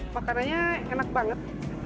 makanannya enak banget